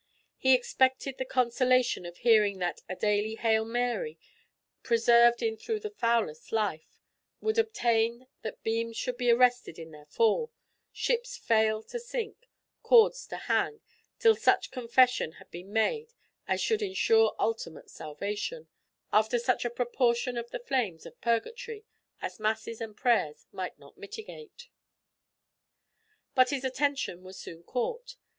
He expected the consolation of hearing that a daily "Hail Mary," persevered in through the foulest life, would obtain that beams should be arrested in their fall, ships fail to sink, cords to hang, till such confession had been made as should insure ultimate salvation, after such a proportion of the flames of purgatory as masses and prayers might not mitigate. But his attention was soon caught.